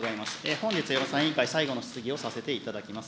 本日、予算委員会最後の質疑をさせていただきます。